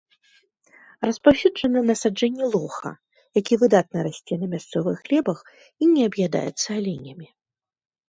Распаўсюджаны насаджэнні лоха, які выдатна расце на мясцовых глебах і не аб'ядаецца аленямі.